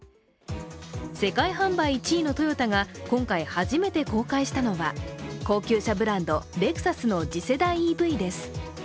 世界販売１位のトヨタが今回初めて公開したのは高級車ブランド、レクサスの次世代ＥＶです。